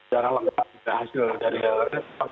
darah lengkap juga hasil dari alert